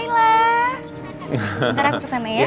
sekarang kesana ya